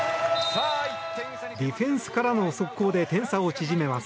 ディフェンスからの速攻で点差を縮めます。